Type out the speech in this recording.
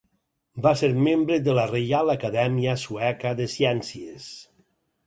Va ser membre de la Reial Acadèmia Sueca de Ciències.